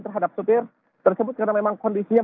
terhadap sopir tersebut karena memang kondisinya